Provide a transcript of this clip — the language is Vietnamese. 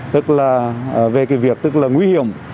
tức là về cái việc tức là nguy hiểm